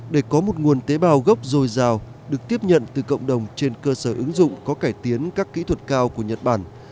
để có một nguồn tế bào gốc dồi dào được tiếp nhận từ cộng đồng trên cơ sở ứng dụng có cải tiến các kỹ thuật cao của nhật bản